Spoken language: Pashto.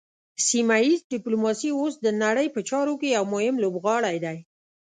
سیمه ایز ډیپلوماسي اوس د نړۍ په چارو کې یو مهم لوبغاړی دی